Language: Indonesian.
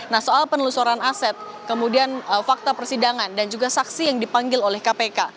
nah soal penelusuran aset fakta persidangan dan juga saksi dipanggil kpk